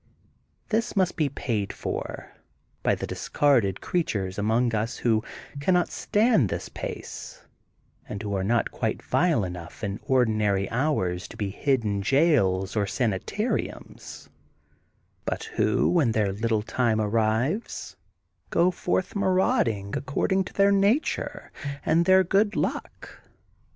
This must be paid for, by the discarded creatures among us who cannot stand this pace and who are not quite vile enough in ordinary hours to be hid in jails or sanitariums, but who when their little time suddenly arrives, go forth maraud ing according to their nature and their good luck.